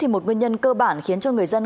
một nguyên nhân cơ bản khiến cho người dân